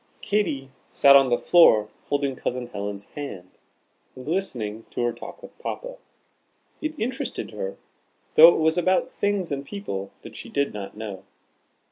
Katy sat on the floor holding Cousin Helen's hand, and listening to her talk with Papa. It interested her, though it was about things and people she did not know.